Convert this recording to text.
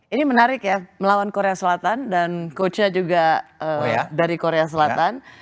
ini menarik ya melawan korea selatan dan coachnya juga dari korea selatan